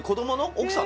奥さん？